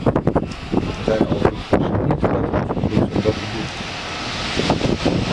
Wij zijn overigens niet wettelijk verplicht om dat te doen.